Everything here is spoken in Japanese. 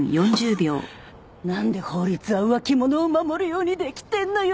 なんで法律は浮気者を守るようにできてんのよ！